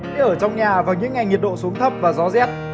như ở trong nhà vào những ngày nhiệt độ xuống thấp và gió rét